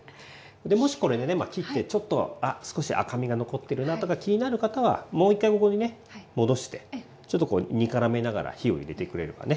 でもしこれでね切ってちょっと赤みが残っているなとか気になる方はもう一回ここにね戻してちょっと煮からめながら火を入れてくれればね